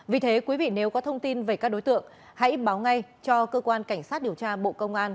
vì thế quý vị nếu có thông tin về các đối tượng hãy báo ngay cho cơ quan cảnh sát điều tra bộ công an